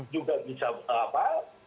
juga bisa apa